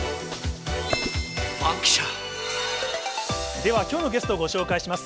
では、きょうのゲストをご紹介します。